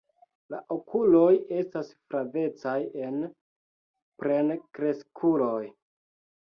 La okuloj estas flavecaj en plenkreskuloj.